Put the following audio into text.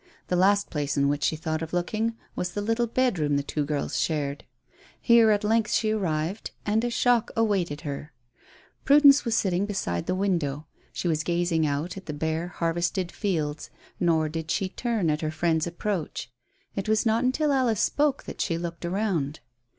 The last place in which she thought of looking was the little bedroom the two girls shared. Here at length she arrived, and a shock awaited her. Prudence was sitting beside the window. She was gazing out at the bare, harvested fields, nor did she turn at her friend's approach. It was not until Alice spoke that she looked round.